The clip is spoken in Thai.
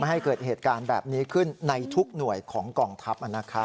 ให้เกิดเหตุการณ์แบบนี้ขึ้นในทุกหน่วยของกองทัพนะครับ